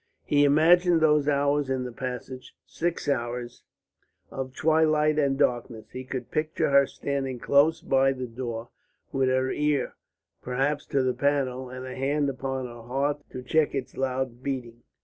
He imagined those hours in the passage, six hours of twilight and darkness; he could picture her standing close by the door, with her ear perhaps to the panel, and her hand upon her heart to check its loud beating.